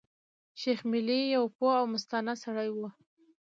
شېخ ملي يو پوه او مستانه سړی وو.